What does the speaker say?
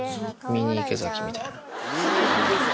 ミニ池崎みたいな。